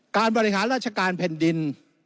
การบริหารราชการแผ่นดิน